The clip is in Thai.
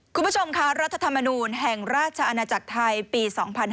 คุณผู้ชมค่ะรัฐธรรมนูลแห่งราชอาณาจักรไทยปี๒๕๕๙